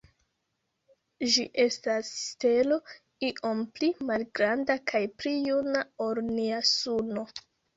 Ĝi estas stelo iom pli malgranda kaj pli juna ol nia Suno.